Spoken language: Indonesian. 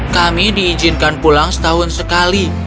kami diizinkan pulang setahun sekali